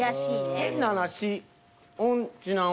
変な話。